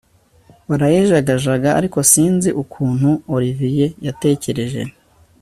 barayijagajaga ariko sinzi ukuntu Olivier yatekereje